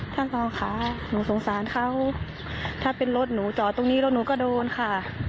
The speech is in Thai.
ทองค่ะหนูสงสารเขาถ้าเป็นรถหนูจอดตรงนี้รถหนูก็โดนค่ะ